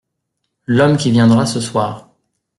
L’homme qui viendra ce soir.